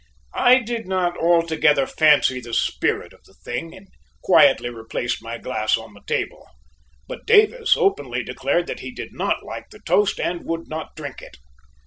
I did not altogether fancy the spirit of the thing, and quietly replaced my glass on the table, but Davis openly declared that he did not like the toast and would not drink it.